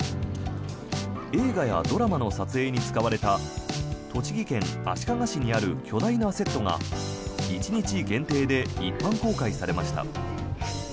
映画やドラマの撮影に使われた栃木県足利市にある巨大なセットが１日限定で一般公開されました。